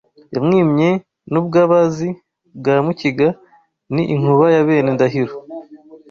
Yamwimye n’ubwabazi bwa Mukiga ni inkuba ya bene Ndahiro